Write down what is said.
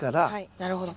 なるほど。